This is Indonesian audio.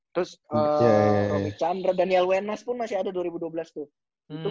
terus romy chandra daniel wenas pun masih ada dua ribu dua belas tuh